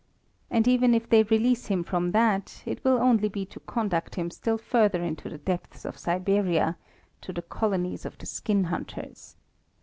And even if they release him from that, it will only be to conduct him still further into the depths of Siberia, to the colonies of the skin hunters.